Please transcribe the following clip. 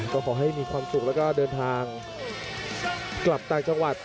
ก็ขอให้มีความสุขแล้วก็เดินทางกลับต่างจังหวัด